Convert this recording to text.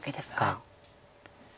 はい。